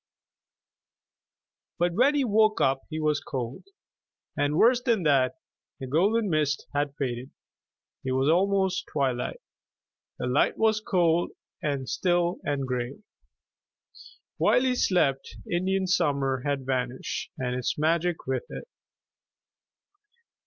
But when he woke he was cold. And worse than that, the golden mist had faded. It was almost twilight. The light was cold and still and gray. While he slept Indian Summer had vanished and its magic with it.